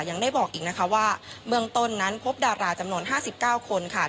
ยังได้บอกอีกนะคะว่าเบื้องต้นนั้นพบดาราจำนวน๕๙คนค่ะ